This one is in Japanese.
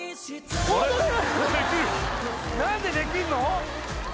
何でできんの？